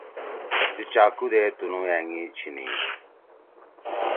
تی چاکُو دے تُنُو أنگی چھیِنی۔